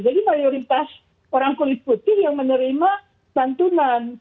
jadi mayoritas orang kulit putih yang menerima santunan